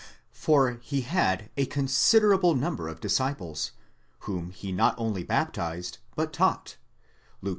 For he had a considerable number of disciples, whom he not only baptized, but taught (Luke xi.